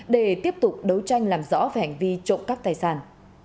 để tiếp tục đấu tranh làm rõ về hành vi trộm cắp tài sản